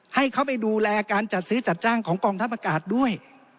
ให้เขาไปดูแลการจัดซื้อจัดจ้างของกองทัพอากาศด้วย